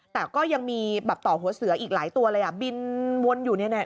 แต่ก็ยังมีแบบต่อหัวเสืออีกหลายตัวเลยอ่ะบินวนอยู่เนี่ย